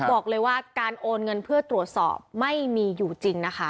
บอกเลยว่าการโอนเงินเพื่อตรวจสอบไม่มีอยู่จริงนะคะ